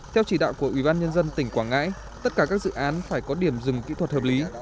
theo chỉ đạo của ubnd tỉnh quảng ngãi tất cả các dự án phải có điểm dừng kỹ thuật hợp lý